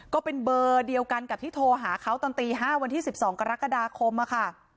ก็เป็นเบอร์เดียวกันกับที่โทรหาเขาตอนตี๕วันที่๑๒กรกฎาคมค่ะ